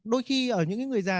đôi khi ở những người già